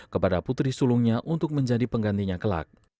kepada putri sulungnya untuk menjadi penggantinya kelak